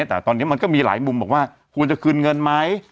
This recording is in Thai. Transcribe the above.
แต่ตอนนี้มันก็มีหลายมุมบอกว่าควรจะคืนเงินไหม